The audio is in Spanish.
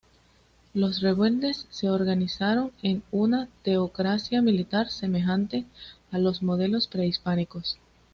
Los rebeldes se organizaron en una teocracia militar semejante a los modelos prehispánicos.